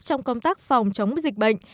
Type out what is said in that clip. trong công tác phòng chống dịch bệnh